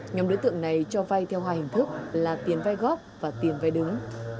nhóm đối tượng này cho vay theo hai hình thức là tiền vai góp và tiền vai đứng